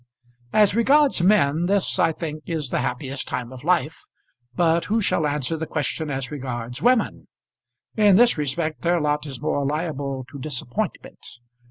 As regards men, this, I think, is the happiest time of life; but who shall answer the question as regards women? In this respect their lot is more liable to disappointment.